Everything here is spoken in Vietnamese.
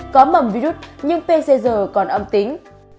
có mẩm virus nhưng pcr còn âm tính